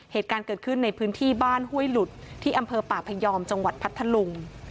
เหตุการณ์เกิดขึ้นในพื้นที่บ้านห้วยหลุดที่อำเภอป่าพยอมจังหวัดพัทธลุง